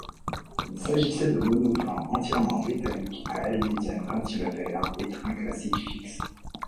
Il s'agissait d'un monoplan entièrement métallique à aile médiane cantilever et train classique fixe.